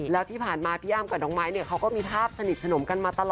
แล้วที่ผ่านมาย